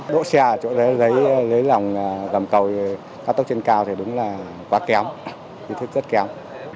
đỗ xe ở chỗ đấy lấy lòng gầm cầu cao tốc trên cao thì đúng là quá kéo rất kéo